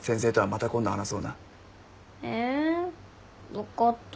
分かった。